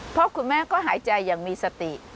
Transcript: เพราะคุณแม่ก็หายใจอย่างมีสติ